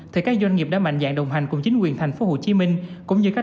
thì các doanh nghiệp đã mạnh dạng đồng hành cùng chính quyền thành phố hồ chí minh cũng như các